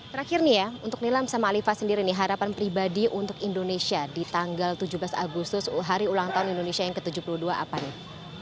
terakhir nih ya untuk nilam sama alifa sendiri nih harapan pribadi untuk indonesia di tanggal tujuh belas agustus hari ulang tahun indonesia yang ke tujuh puluh dua apa nih